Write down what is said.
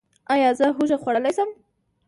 ایا زه هوږه خوړلی شم؟